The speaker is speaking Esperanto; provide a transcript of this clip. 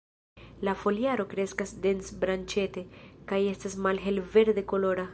La foliaro kreskas dens-branĉete, kaj estas malhel-verde kolora.